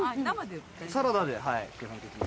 サラダではい基本的には。